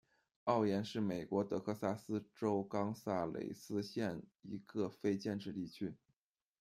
奥廷是美国德克萨斯州冈萨雷斯县一个非建制地区。